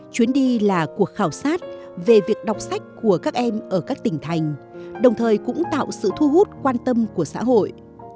chuyến đi là cuộc khảo sát về việc đọc sách của các em ở các tỉnh thành đồng thời cũng tạo sự thu hút quan tâm của xã hội